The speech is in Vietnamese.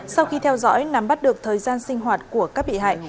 sau khi theo dõi nắm bắt được thời gian sinh hoạt của các bị hại